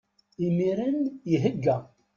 Imiren ihegga.